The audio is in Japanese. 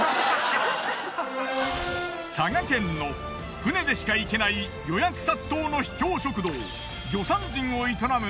佐賀県の船でしか行けない予約殺到の秘境食堂魚山人を営む